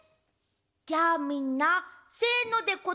じゃあみんな「せの」でこたえて。